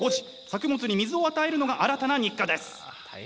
作物に水を与えるのが新たな日課です。